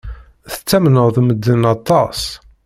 Tettamneḍ medden aṭas.